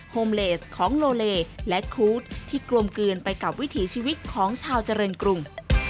โมเลสของโลเลและคูดที่กลมกลืนไปกับวิถีชีวิตของชาวเจริญกรุง